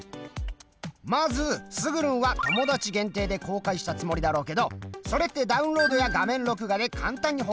まずスグルンは友だち限定で公開したつもりだろうけどそれってダウンロードや画面録画で簡単に保存できちゃうんだよね。